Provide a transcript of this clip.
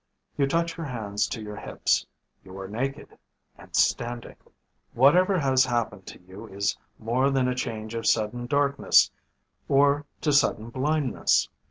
You touch your hands to your hips. You are naked. And standing. Whatever has happened to you is more than a change to sudden darkness or to sudden blindness.